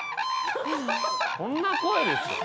こんな声ですよ。